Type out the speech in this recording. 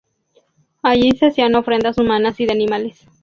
Allí se hacían ofrendas humanas y de animales.